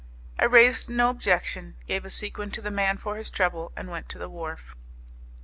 I raised no objection, gave a sequin to the man for his trouble, and went to the wharf.